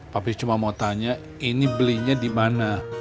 tapi cuma mau tanya ini belinya di mana